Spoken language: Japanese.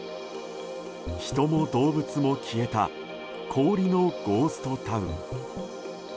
人も動物も消えた氷のゴーストタウン。